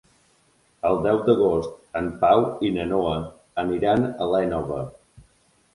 El deu d'agost en Pau i na Noa aniran a l'Énova.